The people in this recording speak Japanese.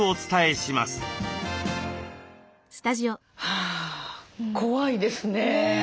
はあ怖いですね。